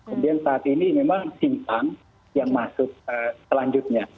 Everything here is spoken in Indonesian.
kemudian saat ini memang simpang yang masuk selanjutnya